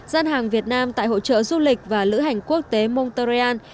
gian hàng việt nam tại hội trợ du lịch và lữ hành quốc tế montreal